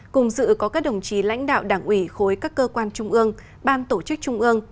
cùng dự có các đồng chí lãnh đạo đảng ủy khối các cơ quan trung ương ban tổ chức trung ương